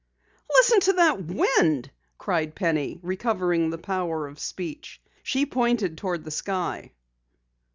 "Listen to that wind!" cried Penny, recovering the power of speech. She pointed toward the sky.